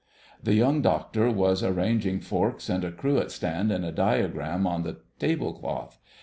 The Young Doctor was arranging forks and a cruet stand in a diagram on the table cloth.